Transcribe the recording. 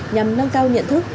nhằm nâng cao nhận thức